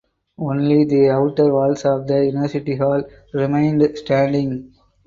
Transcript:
Only the outer walls of the university hall remained standing.